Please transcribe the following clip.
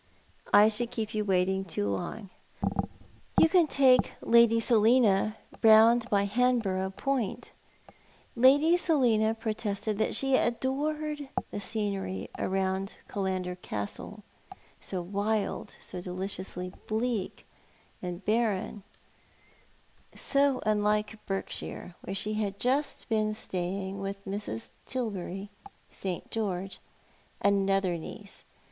I should keep you waiting too long. You can take Lady Selina round by Hanborough Point." Lady Selina protested that she adored the scenery round Killander Castle, so wild, so deliciously bleak and barren, so 2oS Thoti art the Man. unlike Berkshire, where she had just been staying with Mrs. Tilbury St. George, another niece.